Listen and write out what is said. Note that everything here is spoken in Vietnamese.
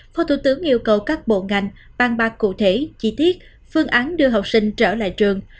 phó thủ tướng yêu cầu các bộ ngành bàn bạc cụ thể chi tiết phương án đưa học sinh trở lại trường